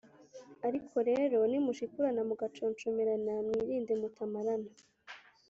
Ariko rero nimushikurana, mugaconshomerana, mwirinde mutamarana